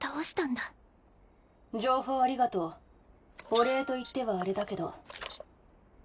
お礼といってはあれだけど。